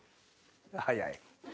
早い。